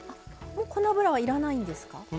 もうこの脂は要らないんですか？